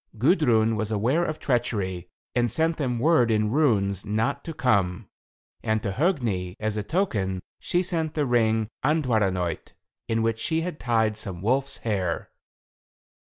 Gudrun was aware of treachery, and sent them word in runes not to come; and to Hogni, as a token, she sent the ring Andvaranaut, in which she had tied some wolf's hair.